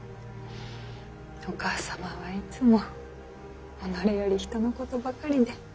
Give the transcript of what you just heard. お義母様はいつも己より人のことばかりで。